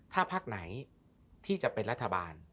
ถ้าพักไหนที่จะเป็นรัฐบาล